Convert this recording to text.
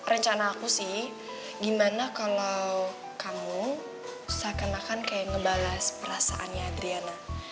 rencana aku sih gimana kalau kamu seakan akan kayak ngebalas perasaannya adriana